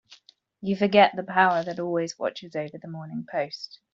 You forget the power that always watches over the Morning Post.